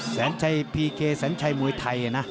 แสนชัยพีเคแสนชัยมวยไทยนะ